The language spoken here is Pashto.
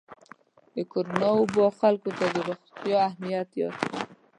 د کرونا وبا خلکو ته د روغتیا اهمیت یاد کړ.